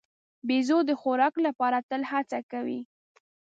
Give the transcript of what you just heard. بیزو د خوراک لپاره تل هڅه کوي.